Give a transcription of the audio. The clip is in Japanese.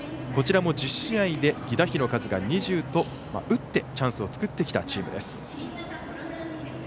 こちらも１０試合で犠打飛の数が２０と打ってチャンスを作ってきたチームです。